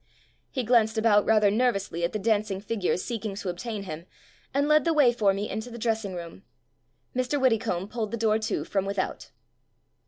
He glanced about rather nervously at the dancing figures seeking to obtain him, and led the way for me into the dressing room. Mr. Widdecombe pulled the door to from without.